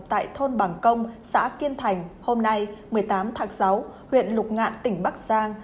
tại thôn bằng công xã kiên thành hôm nay một mươi tám tháng sáu huyện lục ngạn tỉnh bắc giang